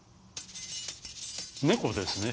猫ですね。